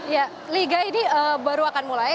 ya liga ini baru akan mulai